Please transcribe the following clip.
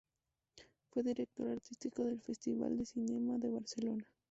Fue director artístico del Festival de Cinema de Barcelona.